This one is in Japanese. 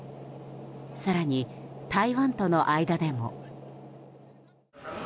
更に台湾との間でも。